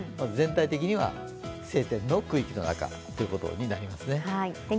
全体的には晴天の区域の中ということになりますね。